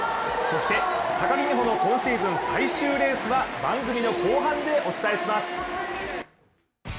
そして、高木美帆の今シーズン最終レースは番組の後半でお伝えします。